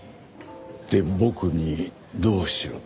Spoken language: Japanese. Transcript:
で僕にどうしろと？